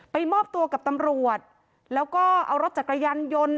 มอบตัวกับตำรวจแล้วก็เอารถจักรยานยนต์